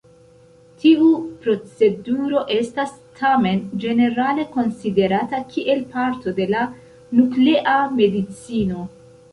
Tiu proceduro estas tamen ĝenerale konsiderata kiel parto de la Nuklea Medicino.